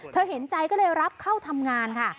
เห็นใจก็เลยรับเข้าทำงานค่ะ